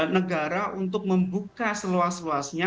negara untuk membuka seluas luasnya